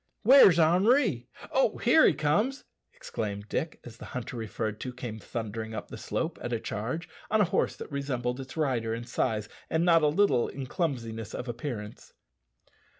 "Where's Henri? oh, here he comes!" exclaimed Dick, as the hunter referred to came thundering up the slope at a charge, on a horse that resembled its rider in size and not a little in clumsiness of appearance.